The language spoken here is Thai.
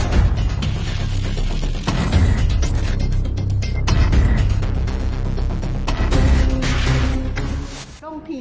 ตอนนี้ก็ไม่มีอัศวินทรีย์